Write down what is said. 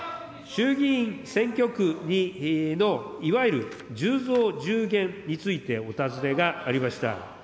衆議院選挙区のいわゆる１０増１０減についてお尋ねがありました。